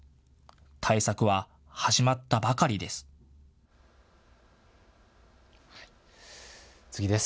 対策は始まったばかりです。